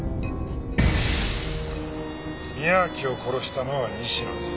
宮脇を殺したのは西野です。